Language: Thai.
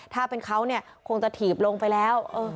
ถ้าเป็นเขาเนี่ยคงจะถีบลงไปแล้ว